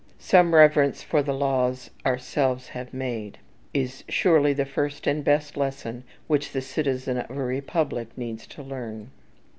Some reverence for the laws ourselves have made, is surely the first and best lesson which the citizen of a republic needs to learn.